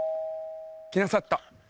来なさった。